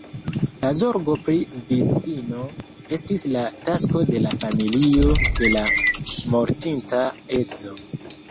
La zorgo pri vidvino estis la tasko de la familio de la mortinta edzo.